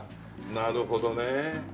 なるほどね。